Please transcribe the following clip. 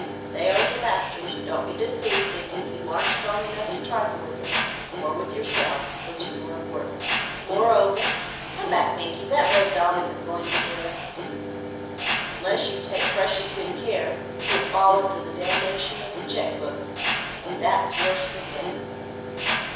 They are your masters. Don't be deceived, Dickie, you aren't strong enough to trifle with them,—or with yourself, which is more important. Moreover,—Come back, Binkie: that red daub isn't going anywhere,—unless you take precious good care, you will fall under the damnation of the check book, and that's worse than death.